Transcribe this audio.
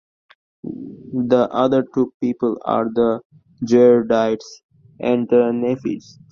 The other two peoples are the Jaredites and the Nephites.